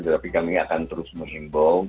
tetapi kami akan terus menghimbau